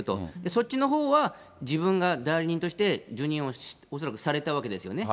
そっちのほうは、自分が代理人として受任を恐らくされたわけですよね。